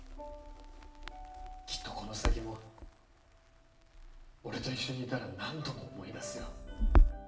きっとこの先も俺と一緒にいたら何度も思い出すよ。